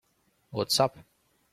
What's up?